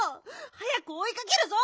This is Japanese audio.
早くおいかけるぞ！